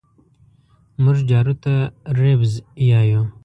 مونږ جارو ته رېبز يايو